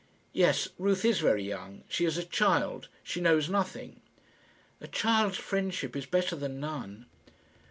"Yes, Ruth is very young. She is a child. She knows nothing." "A child's friendship is better than none."